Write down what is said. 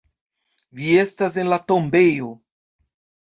Vi estas en la tombejo.